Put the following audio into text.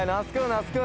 那須君！